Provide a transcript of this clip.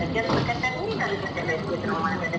คุยยังไงอ่ะ